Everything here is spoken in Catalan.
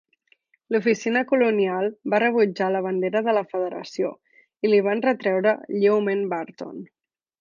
L'oficina colonial va rebutjar la bandera de la federació, i l'hi van retreure lleument Barton.